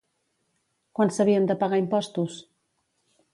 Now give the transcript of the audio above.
Quan s'havien de pagar impostos?